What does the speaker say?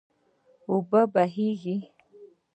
اوبه پکې بهیږي.